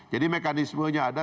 jadi mekanismenya ada